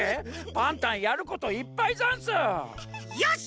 パンタンやることいっぱいざんす！よし！